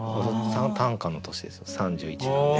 短歌の年ですよ３１なんで。